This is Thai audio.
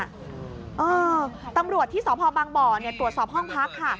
อ่าตำรวจที่สบบเนี่ยตรวจสอบห้องพักค่ะ